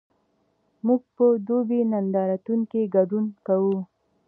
موږ په دوبۍ نندارتون کې ګډون کوو؟